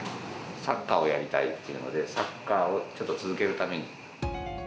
サッカーをやりたいって言うので、サッカーをちょっと続けるために。